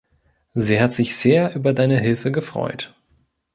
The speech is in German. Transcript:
Sie hat sich sehr über deine Hilfe gefreut.